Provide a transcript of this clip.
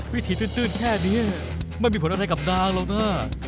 วิธีตื่นแค่นี้ไม่มีผลอะไรกับนางแล้วนะ